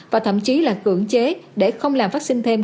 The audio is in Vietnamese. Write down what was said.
và thậm chí là cưỡng chế để không làm phát sinh thêm